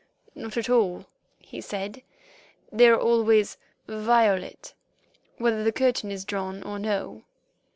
"'Not at all,' he said. 'They are always vi o let, whether the curtain is drawn or no.